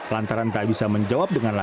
lantaran tak bisa menjawab dengan lancar